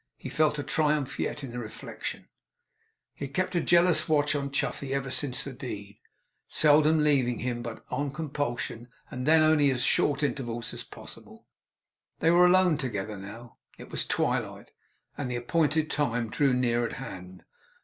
He felt a triumph yet, in the reflection. He had kept a jealous watch on Chuffey ever since the deed; seldom leaving him but on compulsion, and then for as short intervals as possible. They were alone together now. It was twilight, and the appointed time drew near at hand.